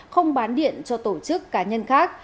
không bán điện cho tổ chức cá nhân khác